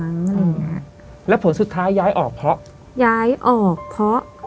อะไรอย่างเงี้ยแล้วผลสุดท้ายย้ายออกเพราะย้ายออกเพราะ